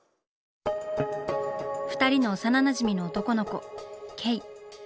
二人の幼なじみの男の子慧。